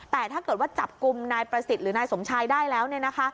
แต่ถ้าเกิดว่าจับกลุ่มนายประสิทธิ์หรือนายสมชายได้แล้ว